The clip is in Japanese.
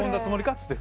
っつって。